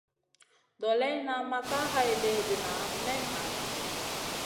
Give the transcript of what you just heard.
Doleyna ma ka hay léhdéna may ŋah ɗi.